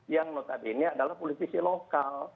yang notabene adalah politisi lokal